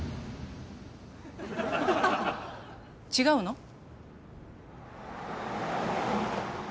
違うの？